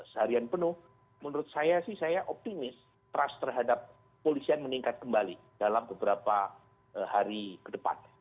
seharian penuh menurut saya sih saya optimis trust terhadap polisian meningkat kembali dalam beberapa hari ke depan